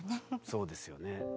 そうですよね。